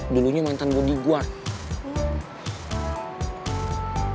dulunya mantan bodyguard